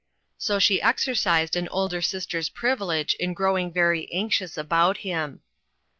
So she exercised an older sister's privilege in growing very anxious about him.